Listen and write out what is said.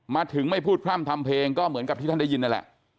มาถึงไม่พูดพร่ำทำเพลงก็เหมือนกับที่ท่านได้ยินนั่นแหละ